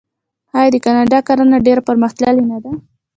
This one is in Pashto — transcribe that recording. آیا د کاناډا کرنه ډیره پرمختللې نه ده؟